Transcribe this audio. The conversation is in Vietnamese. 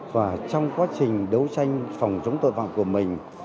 và trong quá trình đấu tranh phòng chống tội phạm của mình